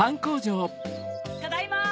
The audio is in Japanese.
・ただいま！